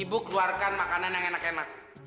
ibu keluarkan makanan yang enak enak